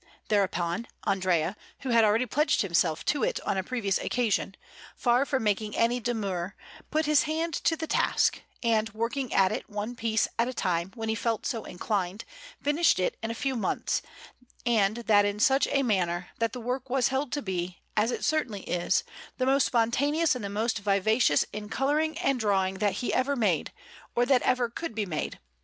Thereupon Andrea, who had already pledged himself to it on a previous occasion, far from making any demur, put his hand to the task, and, working at it one piece at a time when he felt so inclined, finished it in a few months, and that in such a manner, that the work was held to be, as it certainly is, the most spontaneous and the most vivacious in colouring and drawing that he ever made, or that ever could be made.